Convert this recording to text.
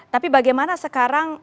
tapi bagaimana sekarang